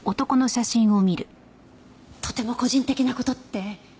とても個人的な事って？